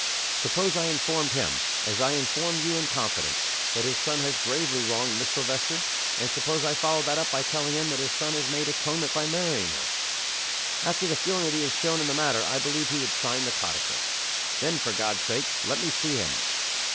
"Suppose I informed him as I inform you in confidence that his son has gravely wronged Miss Silvester? And suppose I followed that up by telling him that his son has made atonement by marrying her?" "After the feeling that he has shown in the matter, I believe he would sign the codicil." "Then, for God's sake, let me see him!"